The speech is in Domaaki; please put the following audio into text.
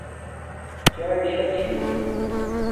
چاݵے شاہ چھی